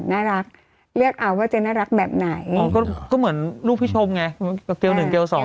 น่ารักเลือกเอาว่าเจ๊น่ารักแบบไหนอ๋อก็เหมือนลูกพี่ชมไงเกลหนึ่งเกลียวสอง